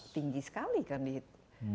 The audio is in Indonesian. kan tinggi sekali kan dihitung